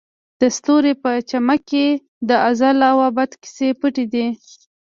د ستوري په چمک کې د ازل او ابد کیسې پټې دي.